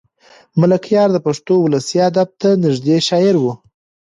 ملکیار د پښتو ولسي ادب ته نږدې شاعر و.